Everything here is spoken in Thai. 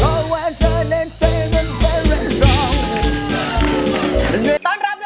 ตอนรับด้วยนะครับสำหรับคุณหนูนาค่ะ